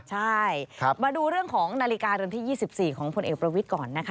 ใช่มาดูเรื่องของนาฬิกาเรือนที่๒๔ของพลเอกประวิทย์ก่อนนะคะ